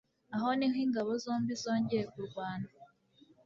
Aho niho ingabo zombi zongeye kurwana.